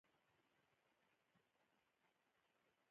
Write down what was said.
ملي بحث او خبرې بايد سمدستي پيل شي.